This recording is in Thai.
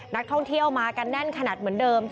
นักท่องเที่ยวมากันแน่นขนาดเหมือนเดิม